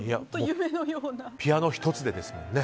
ピアノ１つでですもんね。